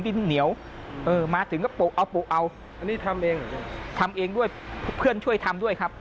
ทำเองด้วยเพื่อนช่วยทำด้วยครับ